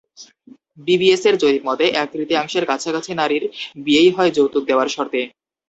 বিবিএসের জরিপমতে, এক তৃতীয়াংশের কাছাকাছি নারীর বিয়েই হয় যৌতুক দেওয়ার শর্তে।